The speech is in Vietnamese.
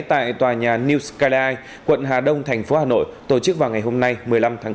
tại tòa nhà new sky quận hà đông thành phố hà nội tổ chức vào ngày hôm nay một mươi năm tháng bốn